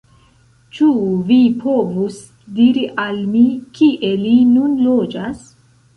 Ĉu vi povus diri al mi kie li nun loĝas?